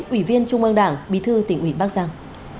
ủy viên trung ương đảng bí thư tỉnh ủy bắc giang